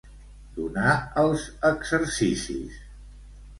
Donar els exercicis.